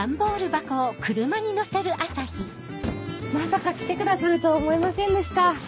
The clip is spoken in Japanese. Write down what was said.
まさか来てくださるとは思いませんでした。